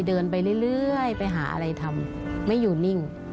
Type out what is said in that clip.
เดินไปเรื่อยไปหาอะไรทำไม่อยู่นิ่ง